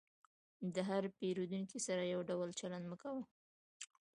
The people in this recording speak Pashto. د هر پیرودونکي سره یو ډول چلند مه کوه.